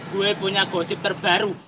gue punya gosip terbaru